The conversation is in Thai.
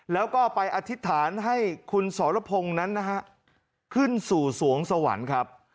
แล้วก็ไปอธิษฐานให้คุณสรพงศ์นั้นนะฮะขึ้นสู่สวงสวรรค์ครับ